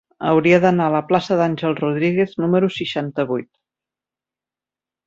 Hauria d'anar a la plaça d'Àngel Rodríguez número seixanta-vuit.